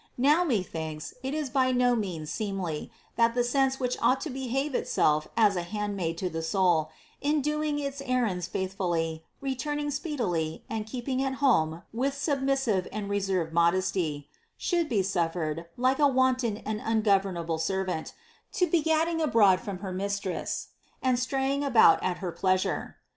Now (methinks) it is by no means seemly, that the sense which ought to behave itself as a handmaid to the soul (in doing its errands faithfully, returning speedily, and keeping at home with submissive and reserved modesty) should be suffered, like a wanton and ungovernable ser vant, to be gadding abroad from her mistress, and straying about at her pleasure.